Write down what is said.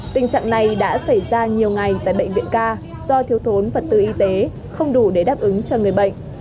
tình trạng này đã xảy ra nhiều ngày tại bệnh viện ca do thiếu thốn vật tư y tế không đủ để đáp ứng cho người bệnh